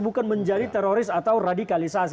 bukan menjadi teroris atau radikalisasi